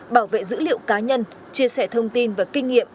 bảo vệ dữ liệu cá nhân chia sẻ thông tin và kinh nghiệm